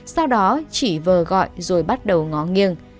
sau đó chỉ vờ gọi rồi bắt đầu ngó nghiêng